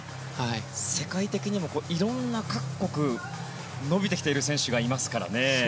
世界的にもいろんな各国伸びてきている選手がいますからね。